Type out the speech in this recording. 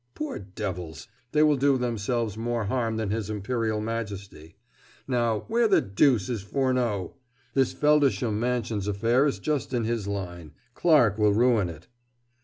Poor devils! they will do themselves more harm than his Imperial Majesty. Now, where the deuce is Furneaux? This Feldisham Mansions affair is just in his line Clarke will ruin it."